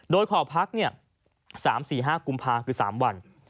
โดยขอพัก๓๔๕กุมภาคมคือ๓วัน